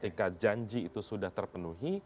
ketika janji itu sudah terpenuhi